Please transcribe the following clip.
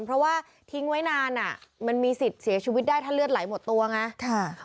เพราะว่าทิ้งไว้นานอ่ะมันมีสิทธิ์เสียชีวิตได้ถ้าเลือดไหลหมดตัวไง